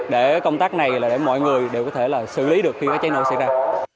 để công tác này mọi người đều có thể xử lý được khi cháy nổ xảy ra